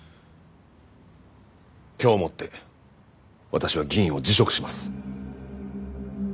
今日をもって私は議員を辞職します。